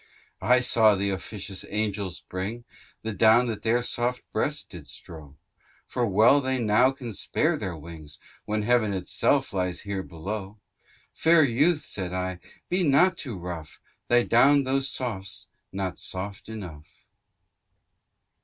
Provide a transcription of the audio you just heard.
Thyrsis. I saw th'officious angels bring, The down that their soft breasts did strow, For well they now can spare their wings, When Heaven itself lies here below. Fair youth (said I) be not too rough, Thy down though soft's not soft enough.